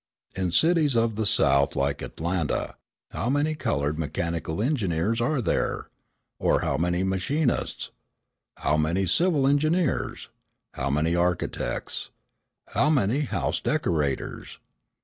In cities of the South like Atlanta, how many coloured mechanical engineers are there? or how many machinists? how many civil engineers? how many architects? how many house decorators?